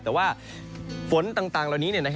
แต่ว่าฝนต่างแล้วนี้